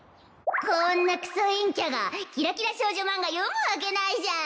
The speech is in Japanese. こんなクソ陰キャがキラキラ少女マンガ読むわけないじゃーん！